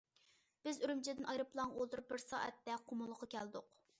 بىز ئۈرۈمچىدىن ئايروپىلانغا ئولتۇرۇپ بىر سائەتتە قۇمۇلغا كەلدۇق.